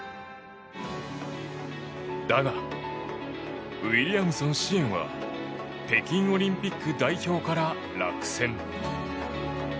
だが、ウイリアムソン師円は北京オリンピック代表から落選。